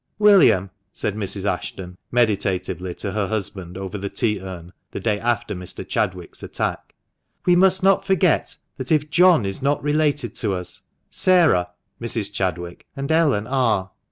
" William," said Mrs. Ashton, meditatively, to her husband over the tea urn, the day after Mr. Chadwick's attack, "we must not forget that if John is not related to us, Sarah [Mrs. Chadwick] and Ellen are.